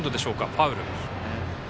ファウル。